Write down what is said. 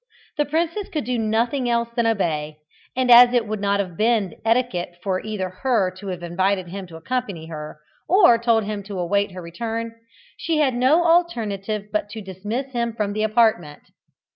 The princess could do nothing else than obey, and as it would not have been etiquette for her either to have invited him to accompany her, or told him to await her return, she had no alternative but to dismiss him from the apartment.